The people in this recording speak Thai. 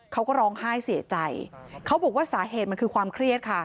เขาก็ร้องไห้เสียใจเขาบอกว่าสาเหตุมันคือความเครียดค่ะ